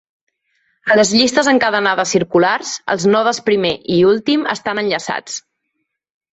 A les llistes encadenades circulars els nodes primer i últim estan enllaçats.